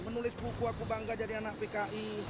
menulis buku aku bangga jadi anak pki